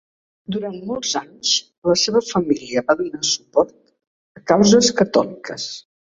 Durant molts anys la seva família va donar suport a causes catòliques.